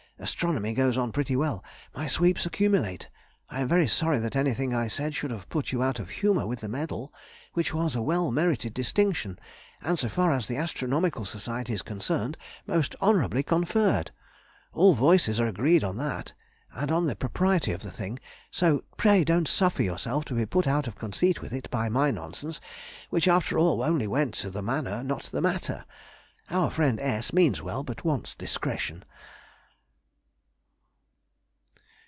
Astronomy goes on pretty well. My sweeps accumulate. I am very sorry that anything I said should have put you out of humour with the medal, which was a well merited distinction, and so far as the Astronomical Society is concerned, most honourably conferred. All voices are agreed on that, and on the propriety of the thing, so pray don't suffer yourself to be put out of conceit with it by my nonsense, which after all only went to the manner, not the matter. Our friend S. means well, but wants discretion.